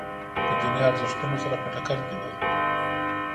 د دیني ارزښتونو سره په ټکر کې دي.